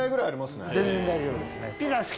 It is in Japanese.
全然大丈夫ですね。